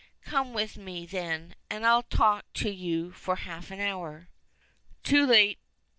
"Come with me, then, and I'll talk to you for half an hour." "Too late!"